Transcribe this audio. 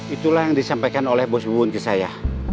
itulah yang disampaikan oleh bos mun ke saya